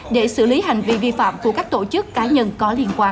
để xử lý hành vi vi phạm của các tổ chức cá nhân có liên quan